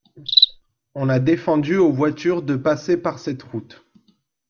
On a défendu aux voitures de passer par cette route.